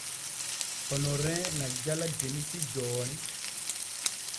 Onomrin na jala Denisi jooni.